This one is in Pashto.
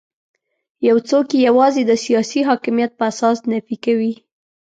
یو څوک یې یوازې د سیاسي حاکمیت په اساس نفي کوي.